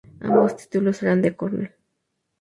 Ambos títulos eran de Cornell.